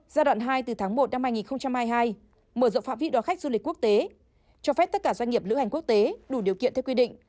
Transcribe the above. giai đoạn hai từ tháng một năm hai nghìn hai mươi hai mở rộng phạm vi đòi khách du lịch quốc tế cho phép tất cả doanh nghiệp lữ hành quốc tế đủ điều kiện theo quy định